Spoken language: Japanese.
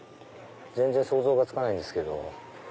全然想像がつかないんですけど。